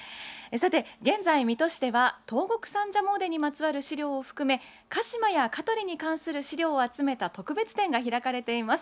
現在、水戸市では東国三社詣にまつわる資料を含め鹿島や香取に関する資料を集めた特別展が開かれています。